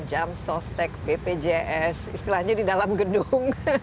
jam sostek bpjs istilahnya di dalam gedung